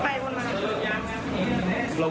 ไม่ใช่ครับ